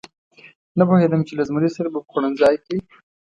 نه پوهېدم چې له زمري سره به په خوړنځای کې.